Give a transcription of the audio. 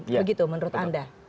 begitu menurut anda